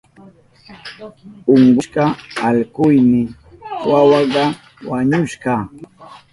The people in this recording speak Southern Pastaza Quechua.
Unkushka allkuyni wawaka wañushka.